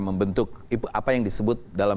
membentuk itu apa yang disebut dalam